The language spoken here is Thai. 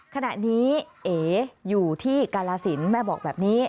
ขณะนี้เอ๋อยู่ที่กาลสินแม่บอกแบบนี้